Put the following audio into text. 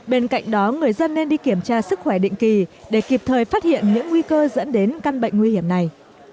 bên cạnh đó người dân nên đi kiểm tra sức khỏe định kỳ để kịp thời phát hiện những nguy cơ dẫn đến căn bệnh nguy hiểm này